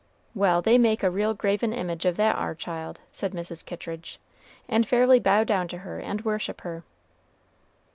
"Well, they make a real graven image of that ar child," said Mrs. Kittridge, "and fairly bow down to her and worship her."